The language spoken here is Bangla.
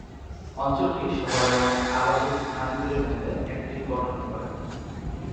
অঞ্চলটি শহরের অনেক আবাসিক স্থানগুলির মধ্যে একটির গঠন করে।